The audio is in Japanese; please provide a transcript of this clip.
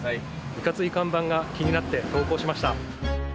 いかつい看板が気になって投稿しました。